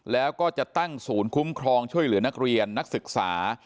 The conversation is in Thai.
แล้วก็จะตั้งศูนย์คุ้มครองช่วยเหลือนักเรียนนักศึกษา